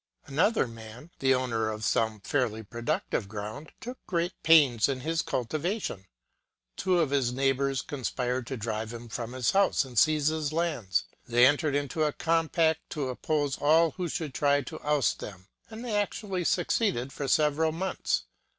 Another man, the owner of some fairly productive ground, took great pains in its cultivation. Two of his neighbors conspired to drive him from his house, and seize his lands. They entered into a compact to oppose all who should try to oust them, and they actually succeeded for several months.